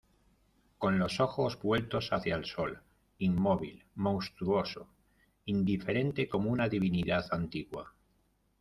con los ojos vueltos hacia el sol, inmóvil , monstruoso , indiferente como una divinidad antigua.